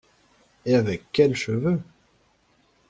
Et avec quels cheveux !